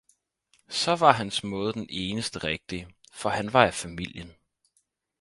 så var hans måde den eneste rigtige, for han var af familien.